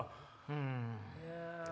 うん。